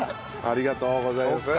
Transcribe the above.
ありがとうございます。